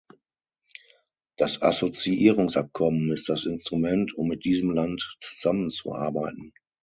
Das Assoziierungsabkommen ist das Instrument, um mit diesem Land zusammenzuarbeiten.